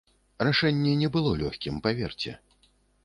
Рашэнне не было лёгкім, паверце.